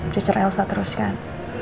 cucur elsa teruskan